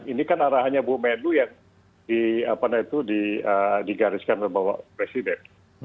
ini kan arahannya bumadlu yang digariskan membawa presiden